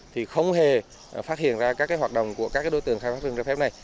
thì không hề phát hiện ra các hoạt động của các đối tượng khai thác rừng trái phép này